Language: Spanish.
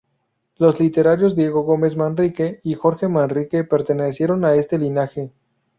Los literatos Diego Gómez Manrique y Jorge Manrique pertenecieron a este linaje.